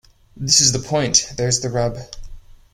This is the point. There's the rub.